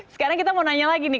sekarang kita mau nanya lagi nih